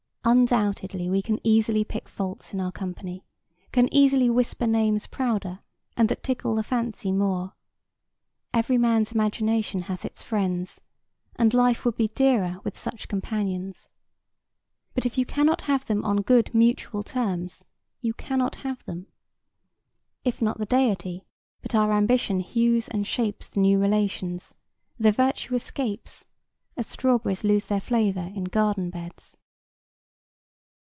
Undoubtedly we can easily pick faults in our company, can easily whisper names prouder, and that tickle the fancy more. Every man's imagination hath its friends; and life would be dearer with such companions. But if you cannot have them on good mutual terms, you cannot have them. If not the Deity but our ambition hews and shapes the new relations, their virtue escapes, as strawberries lose their flavor in garden beds.